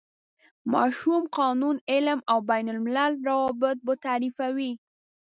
ماشوم، قانون، علم او بین الملل روابط به تعریفوي.